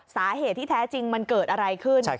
สาเหตุที่แท้จริงมันเกิดอะไรขึ้น